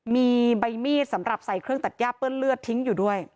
มีใบมีดสำหรับใส่เครื่องตัดย่าเปื้อนเลือดทิ้งอยู่ด้วย